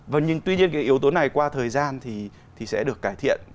và nhưng tuy nhiên cái yếu tố này qua thời gian thì sẽ được cải thiện